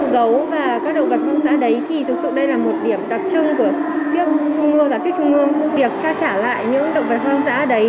gấu và các động vật hoang dã đấy